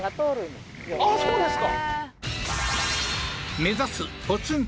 だあっそうですか